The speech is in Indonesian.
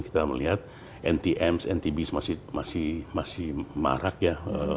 kita melihat ntm ntb masih marak ya